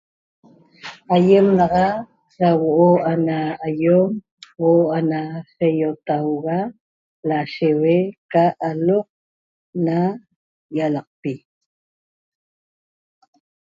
Ayem naxa da huo'o ana iom huo'o ana seyotauoga lasheue ca aloq na yalaqpi